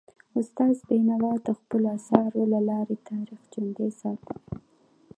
استاد بینوا د خپلو اثارو له لارې تاریخ ژوندی ساتلی.